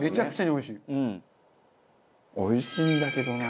おいしいんだけどな。